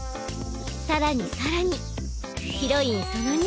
さらにさらにヒロインその２。